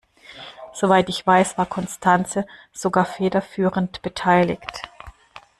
Soweit ich weiß, war Constanze sogar federführend beteiligt.